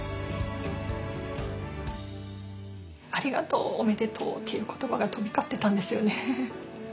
「ありがとう」「おめでとう」という言葉が飛び交ってたんですよね。